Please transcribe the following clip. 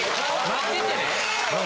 待っててね。